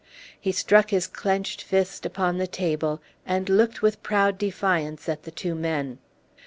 He struck his clenched fist upon the table, and looked with proud defiance at the two men.